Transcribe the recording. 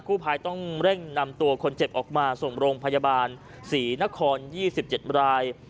ภายต้องเร่งนำตัวคนเจ็บออกมาส่งโรงพยาบาลศรีนคร๒๗ราย